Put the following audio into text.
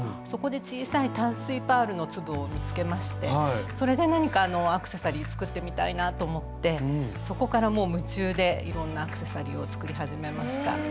そこで小さい淡水パールの粒を見つけましてそれで何かアクセサリー作ってみたいなと思ってそこからもう夢中でいろんなアクセサリーを作り始めました。